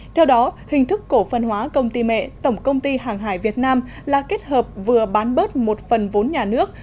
theo đó hình thức cổ phần hóa công ty mẹ tổng công ty hàng hải việt nam là kết hợp vừa bán bớt một phần vốn nhà nước